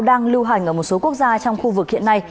đang lưu hành ở một số quốc gia trong khu vực hiện nay